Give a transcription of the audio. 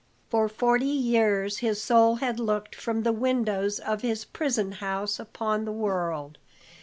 For forty years his soul had looked from the windows of his prison house upon the world.